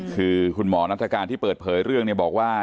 คุณหมอนัตการที่เปิดเผยเรื่องบอกว่า